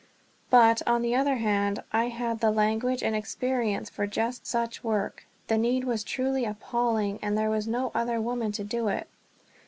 But, on the other hand, I had the language and experience for just such work, the need was truly appalling, and there was no other woman to do it.